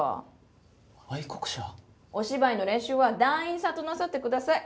お芝居の練習は団員さんとなさって下さい。